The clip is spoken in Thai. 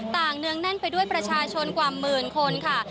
เนืองแน่นไปด้วยประชาชนกว่าหมื่นคนค่ะ